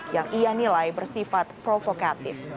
yang ia nilai bersifat provokatif